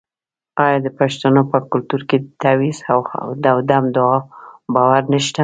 آیا د پښتنو په کلتور کې د تعویذ او دم دعا باور نشته؟